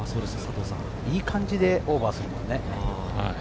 いい感じでオーバーするよね。